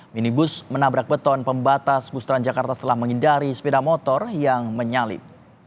minibus menabrak beton pembatas bus transjakarta setelah menghindari sepeda motor yang menyalip